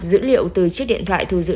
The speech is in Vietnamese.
dữ liệu từ chiếc điện thoại thu giữ